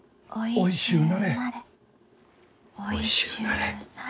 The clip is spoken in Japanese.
おいしゅうなれ。